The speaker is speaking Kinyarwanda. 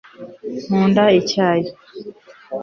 nkunda icyayi